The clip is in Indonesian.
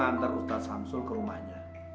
antar ustaz hamsul ke rumahnya